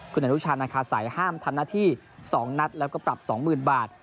คุณอนุชานาคาสัยห้ามทำหน้าที่๒นัดแล้วก็ปรับ๒๐๐๐บาท